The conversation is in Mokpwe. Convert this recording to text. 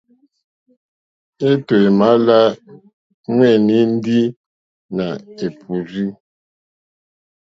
Étò é mà lá hwɛ́nɛ́ ndí nà è pùrzí.